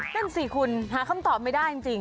นั่นสิคุณหาคำตอบไม่ได้จริง